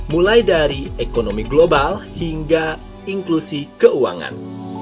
mulai dari ekonomi global hingga inklusi keuangan